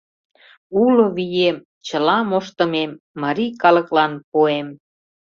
Уло вием, чыла моштымем марий калыклан пуэм.